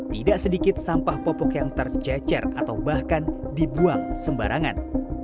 tidak sedikit sampah popok yang tercecer atau bahkan dibuang sembarangan